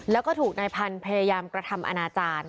แล้วก็ถูกนายพันธุ์พยายามกระทำอนาจารย์